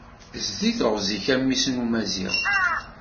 Zdi teɣzi-k a mmi-s n umaziɣ